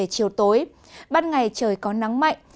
chiều tối ban ngày trời có nắng mạnh